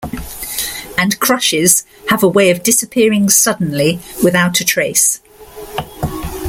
And crushes have a way of disappearing suddenly, without a trace.